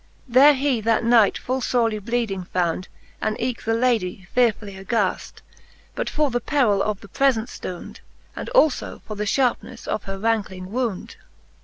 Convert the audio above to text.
. There he that knight full forely bleeding found ^^" And eke the Ladie fearefully aghaft,. Both for the perill of the prefent ftound, And alfb for the iliarpnefle of her rankling wound..